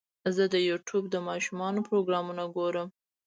زه د یوټیوب د ماشومانو پروګرامونه ګورم.